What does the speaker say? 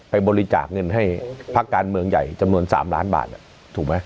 บริจาคเงินให้พักการเมืองใหญ่จำนวน๓ล้านบาทถูกไหม